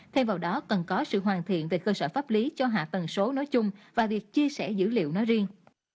thay vào đó cần có sự hoàn thiện về cơ sở pháp lý cho hạ tầng số nói chung và việc chia sẻ dữ liệu nói riêng